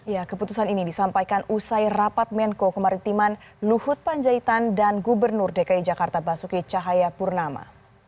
ya keputusan ini disampaikan usai rapat menko kemaritiman luhut panjaitan dan gubernur dki jakarta basuki cahayapurnama